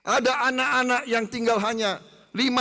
ada anak anak yang tinggal hanya lima tahun saja